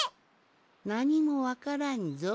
なにもわからんぞい。